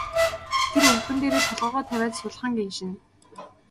Тэр өвдгөн дээрээ толгойгоо тавиад сулхан гиншинэ.